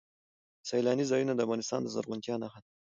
سیلانی ځایونه د افغانستان د زرغونتیا نښه ده.